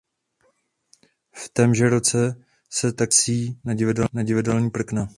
V témže roce se také vrací na divadelní prkna.